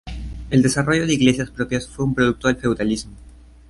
El desarrollo de iglesias propias fue un producto del feudalismo.